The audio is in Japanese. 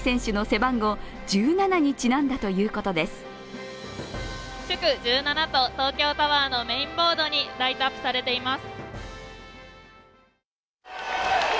祝１７と東京タワーのメインボードにライトアップされています。